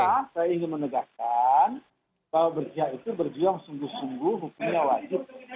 itulah saya ingin menegakkan bahwa berjihad itu berjuang sungguh sungguh hukumnya wajib